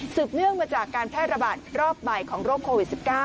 เนื่องมาจากการแพร่ระบาดรอบใหม่ของโรคโควิด๑๙